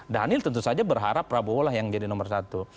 daniel tentu saja berharap prabowo lah yang jadi nomor satu